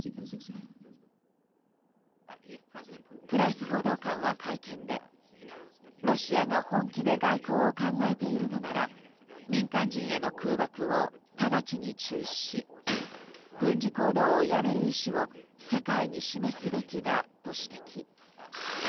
プライス報道官は会見でロシアが本気で外交を考えているのなら民間人への空爆を直ちに中止し軍事行動をやめる意思を世界に示すべきだと指摘。